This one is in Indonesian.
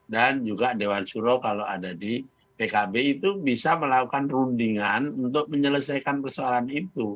dan juga dewan suro kalau ada di pkb itu bisa melakukan rundingan untuk menyelesaikan persoalan itu